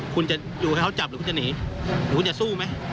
คุณจะอยู่ให้เขาจับหรือคุณจะหนีหรือคุณจะสู้ไหม